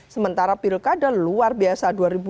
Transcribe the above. sementara pilkada luar biasa